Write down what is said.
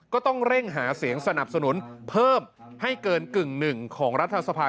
ก็ต้องเร่งหาเสียงสนับสนุนเพิ่มให้เกินกึ่งหนึ่งของรัฐสภา